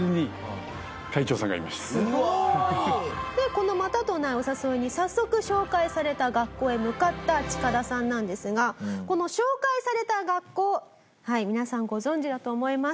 このまたとないお誘いに早速紹介された学校へ向かったチカダさんなんですがこの紹介された学校皆さんご存じだと思います。